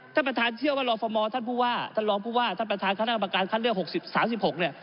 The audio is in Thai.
ท่านประธานเชื่อว่ารอฟอร์มอล์ท่านพูดว่าท่านพูดว่าท่านประธานคณะกรรมการขั้นเรื่อง๓๖เนี่ย